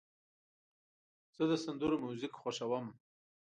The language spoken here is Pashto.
زه د سندرو میوزیک خوښوم.